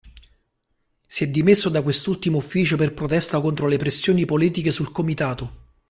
Si è dimesso da quest'ultimo ufficio per protesta contro le pressioni politiche sul comitato.